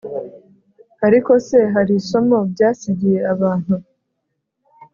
ariko se hari isomo byasigiye abantu?